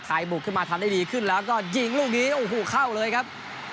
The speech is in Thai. บุกขึ้นมาทำได้ดีขึ้นแล้วก็ยิงลูกนี้โอ้โหเข้าเลยครับ